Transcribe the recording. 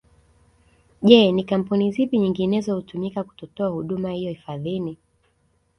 Je ni kampuni zipi nyinginezo hutumika kutotoa huduma hiyo hifadhini